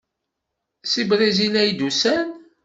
Seg Brizil ay d-usan.